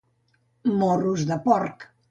Morros de porc